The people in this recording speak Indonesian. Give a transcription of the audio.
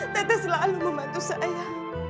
teteh selalu membantu saya